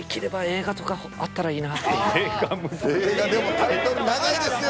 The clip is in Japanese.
映画でもタイトル長いですよ。